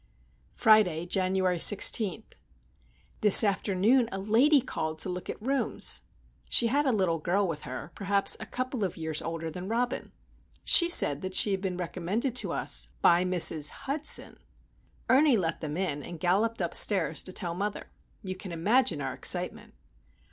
Friday, January 16. This afternoon a lady called to look at rooms. She had a little girl with her, perhaps a couple of years older than Robin. She said that she had been recommended to us,—by Mrs. Hudson! Ernie let them in, and galloped upstairs to tell mother. You can imagine our excitement.